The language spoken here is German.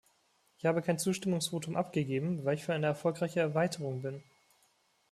Ich habe kein Zustimmungsvotum abgegeben, weil ich für eine erfolgreiche Erweiterung bin.